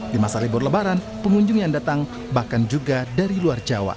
di masa libur lebaran pengunjung yang datang bahkan juga dari luar jawa